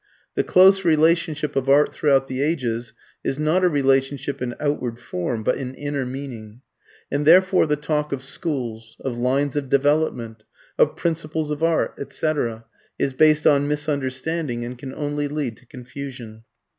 The close relationship of art throughout the ages, is not a relationship in outward form but in inner meaning. And therefore the talk of schools, of lines of "development," of "principles of art," etc., is based on misunderstanding and can only lead to confusion.